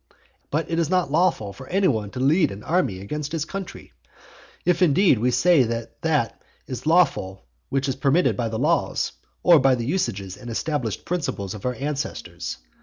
But it is not lawful for any one to lead an army against his country? if indeed we say that that is lawful which is permitted by the laws or by the usages and established principles of our ancestors.